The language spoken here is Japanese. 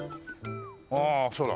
ああそうだ。